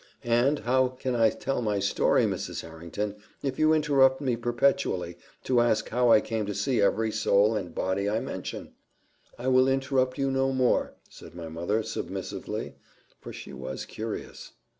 and how can I tell my story, Mrs. Harrington, if you interrupt me perpetually, to ask how I came to see every soul and body I mention?" "I will interrupt you no more," said my mother, submissively, for she was curious.